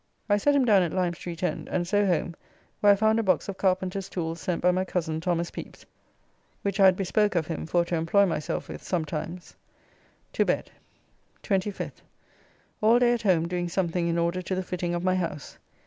I set him down at Lime street end, and so home, where I found a box of Carpenter's tools sent by my cozen, Thomas Pepys, which I had bespoke of him for to employ myself with sometimes. To bed. 25th. All day at home doing something in order to the fitting of my house.